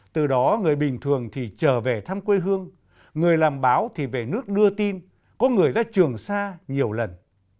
từ đó người bình thường thì trở về thăm quê hương người làm báo thì về nước đưa tin có người ra trường xa nhiều lần